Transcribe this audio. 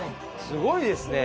すごいですね！